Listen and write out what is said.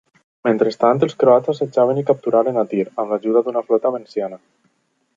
Mentrestant, els croats assetjaven i capturaren Tir, amb l'ajuda d'una flota veneciana.